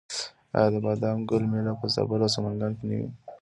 آیا د بادام ګل میله په زابل او سمنګان کې نه وي؟